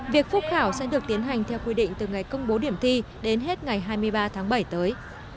việc phúc khảo sẽ được tiến hành theo quy định từ ngày công bố điểm thi đến hết ngày hai mươi ba tháng bảy tới